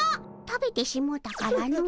食べてしもうたからの。